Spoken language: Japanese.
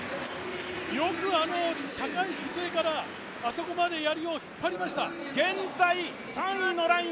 よくあの高い姿勢からあそこまでやりを引っ張りました。